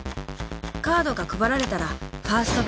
［カードが配られたらファーストベット］